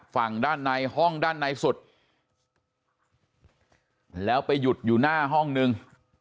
ฝั่งด้านในห้องด้านในสุดแล้วไปหยุดอยู่หน้าห้องนึง